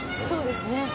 そうですね。